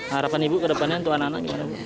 harapan ibu kedepannya untuk anak anak gimana